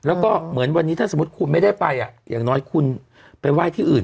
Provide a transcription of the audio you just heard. แล้วก็เหมือนวันนี้ถ้าสมมุติคุณไม่ได้ไปอย่างน้อยคุณไปไหว้ที่อื่น